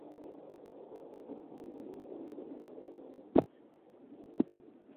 داسې ویل کیږي چې رتبیل شاهان دلته وو